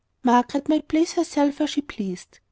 Margaret might place herself where she pleased.